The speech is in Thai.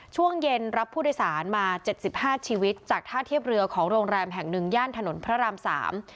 ช่วงเย็นรับผู้โดยสารมาเจ็ดสิบห้าชีวิตจากท่าเทียบเรือของโรงแรมแห่งหนึ่งย่านถนนพระรามสาม